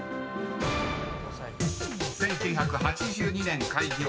［１９８２年開業。